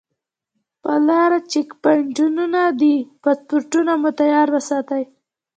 پر لاره چیک پواینټونه دي پاسپورټونه مو تیار وساتئ.